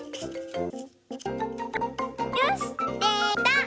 よしできた！